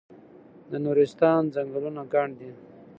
د نورستان ځنګلونه ګڼ دي